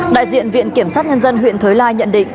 đại diện viện kiểm sát nhân dân huyện thới lai nhận định